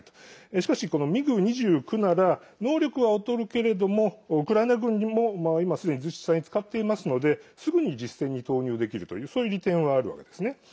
しかし、このミグ２９なら能力は劣るけどもウクライナ軍も、今すでに実際に使っていますのですぐに実戦に投入できるというそういう利点はあるわけですね。